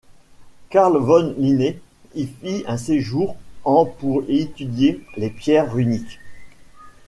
Carl von Linné y fit un séjour en pour y étudier les pierres runiques.